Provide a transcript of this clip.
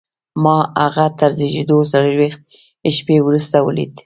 ما هغه تر زېږېدو څلرویشت شېبې وروسته ولید